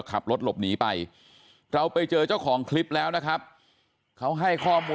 ขับรถหลบหนีไปเราไปเจอเจ้าของคลิปแล้วนะครับเขาให้ข้อมูล